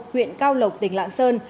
huyện cao lộc tỉnh lạng sơn